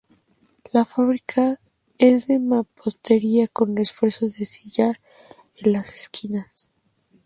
La fábrica es de mampostería con refuerzos de sillar en las esquinas.